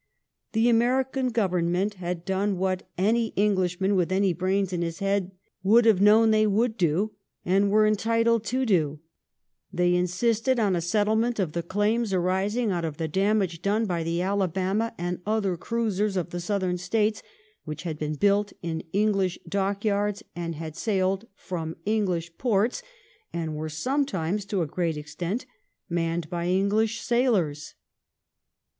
The American Government had done what any 294 THE ALABAiMA QUESTION 295 Englishman with any brains in his head would have known they would do, and were entitled to do — they insisted on a settlement of the claims arising out of the damage done by the Alabama and other cruisers of the Southern States which had been built in English dock yards and had sailed from English ports and were sometimes to a great extent manned by English sailors.